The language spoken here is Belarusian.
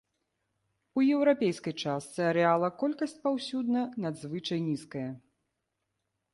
У еўрапейскай частцы арэала колькасць паўсюдна надзвычай нізкая.